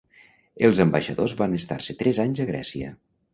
Els ambaixadors van estar-se tres anys a Grècia.